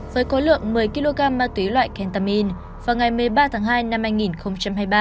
với khối lượng một mươi kg ma túy loại kentamin vào ngày một mươi ba tháng hai năm hai nghìn hai mươi ba